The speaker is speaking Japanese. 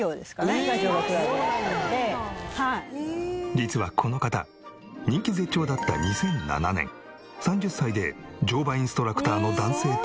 実はこの方人気絶頂だった２００７年３０歳で乗馬インストラクターの男性と結婚。